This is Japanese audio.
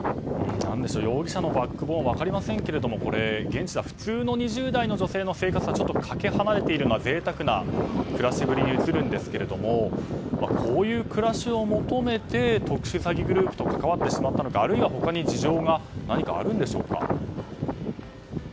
容疑者のバックボーンは分かりませんけど現地では普通の２０代の女性の生活とはちょっとかけ離れている贅沢な暮らしぶりに映るんですけどこういう暮らしを求めて特殊詐欺グループと関わってしまったのかあるいは他に事情が何かあるんでしょうか。